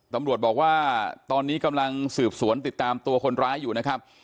ตำรวจบอกว่าตอนนี้กำลังสืบสวนติดตามตัวคนร้ายอยู่นะครับ